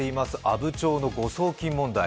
阿武町の誤送金問題。